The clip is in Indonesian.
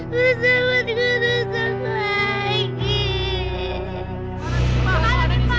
pesawatku masak lagi